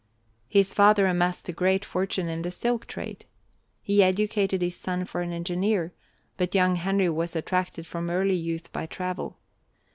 His father amassed a great fortune in the silk trade. He educated his son for an engineer, but young Henry was attracted from early youth by travel.